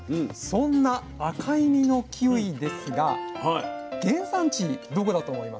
そんな赤い実のキウイですが原産地どこだと思いますか？